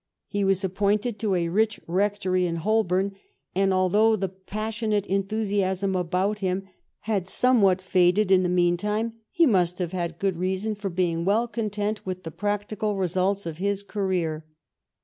He was appointed to a rich rectory in Holborn, and although the passionate enthusiasm about him had somewhat faded in the mean time, he must have had good reason for being well content with the practical results of his career.